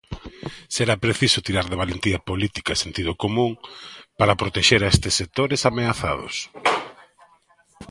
Será preciso tirar de valentía política e sentido común para protexer estes sectores ameazados.